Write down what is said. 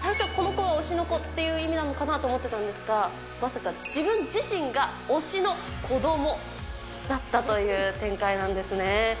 最初この子が推しの子っていう意味なのかなって思ってたんですが、まさか自分自身が推しの子どもだったという展開なんですね。